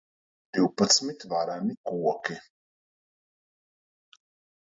Divpadsmit vareni koki.